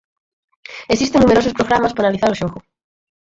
Existen numerosos programas para analizar o xogo.